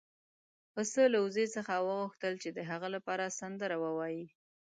پسه له وزې څخه وغوښتل چې د هغه لپاره سندره ووايي.